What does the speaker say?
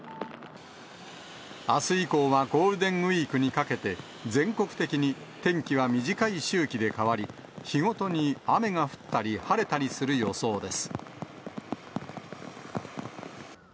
あす以降はゴールデンウィークにかけて、全国的に天気は短い周期で変わり、日ごとに雨が降ったり晴れたりする予想です。